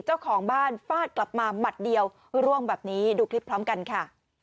เจ้าของบ้านฟาดกลับมาหมัดเดียวร่วงแบบนี้ดูคลิปพร้อมกันค่ะ